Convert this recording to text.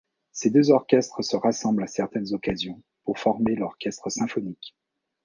Ces deux orchestres se rassemblent à certaines occasions pour former l’Orchestre symphonique.